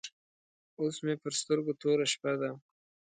اوس مې پر سترګو توره شپه ده.